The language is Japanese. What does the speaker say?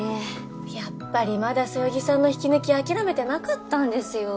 やっぱりまだそよぎさんの引き抜き諦めてなかったんですよ。